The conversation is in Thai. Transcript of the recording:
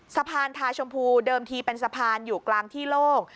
สะพานทาชมพูเดิมทีเป็นสะพานอยู่กลางที่โล่ง